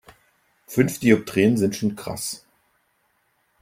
Fünf Dioptrien sind schon krass.